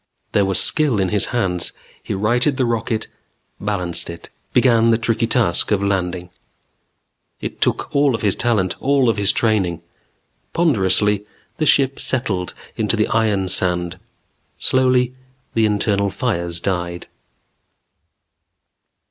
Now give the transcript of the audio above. There was skill in his hands. He righted the rocket, balanced it. Began the tricky task of landing. It took all of his talent, all of his training. Ponderously, the ship settled into the iron sand; slowly, the internal fires died.